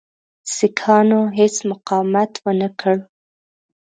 سیکهانو هیڅ مقاومت ونه کړ.